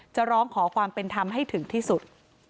จะร้องขอความเป็นธรรมให้ถึงที่สุด